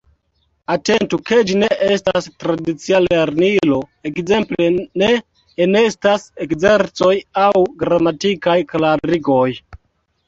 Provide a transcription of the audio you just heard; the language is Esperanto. Atentu, ke ĝi ne estas tradicia lernilo: ekzemple, ne enestas ekzercoj aŭ gramatikaj klarigoj.